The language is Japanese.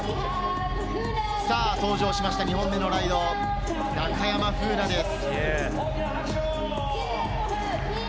登場しました、２本目のライド、中山楓奈です。